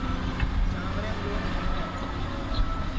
چانٚویم لُن گھٹ ہے